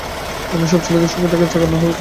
অন্য সব ছেলেদের সঙ্গে হয় চাকর না-হয় আর কেউ আসে।